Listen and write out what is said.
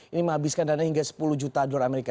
ini menghabiskan dana hingga sepuluh juta dolar amerika